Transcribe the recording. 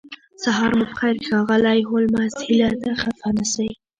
سهار مو پخیر ښاغلی هولمز هیله ده خفه نشئ